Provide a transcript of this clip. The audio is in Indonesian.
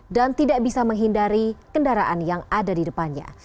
dan tidak bisa menghindari kendaraan yang ada di depannya